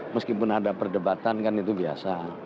meskipun ada perdebatan kan itu biasa